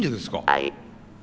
「はい」。